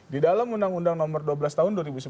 di dalam undang undang nomor dua belas tahun dua ribu sebelas